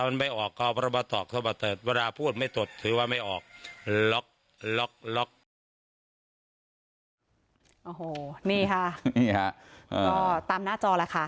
นี่ค่ะก็ตามหน้าจอแล้วค่ะ